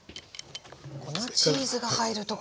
粉チーズが入るところが。